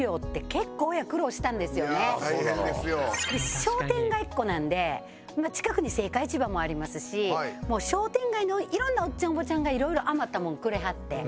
商店街っ子なので近くに青果市場もありますし商店街の色んなおっちゃんおばちゃんが色々余ったものくれはって。